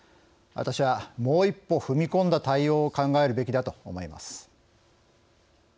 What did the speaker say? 私は、もう一歩踏み込んだ対応を考えるべきだと思います。